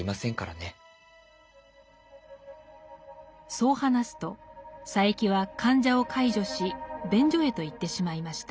そう話すと佐柄木は患者を介助し便所へと行ってしまいました。